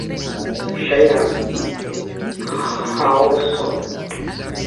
Ŝajnas ĥaoso...